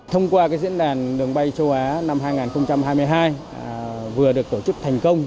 thông qua diễn đàn đường bay châu á năm hai nghìn hai mươi hai vừa được tổ chức thành công